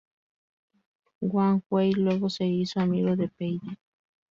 Wang Wei luego se hizo amigo de Pei Di.